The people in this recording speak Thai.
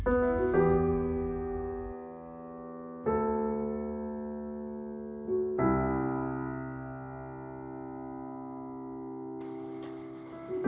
จริง